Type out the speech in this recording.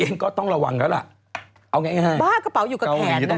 อ๋อยทำงานเช้าเย็น